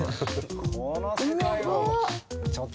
この世界は。